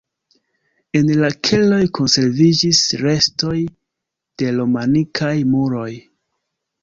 En la keloj konserviĝis restoj de romanikaj muroj.